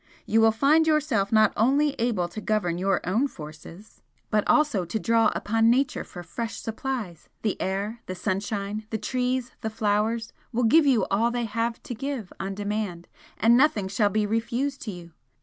You will find yourself not only able to govern your own forces but also to draw upon Nature for fresh supplies the air, the sunshine, the trees, the flowers, will give you all they have to give on demand and nothing shall be refused to you.